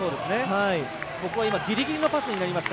ここは今ギリギリのパスになりました